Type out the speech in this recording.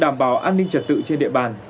đảm bảo an ninh trật tự trên địa bàn